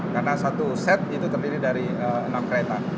karena satu set itu terdiri dari enam kereta